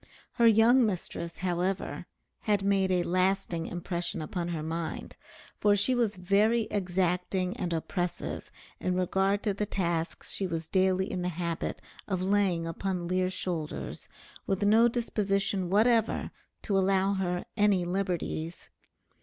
Her young mistress, however, had made a lasting impression upon her mind; for she was very exacting and oppressive in regard to the tasks she was daily in the habit of laying upon Lear's shoulders, with no disposition whatever to allow her any liberties.